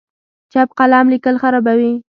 چپ قلم لیکل خرابوي.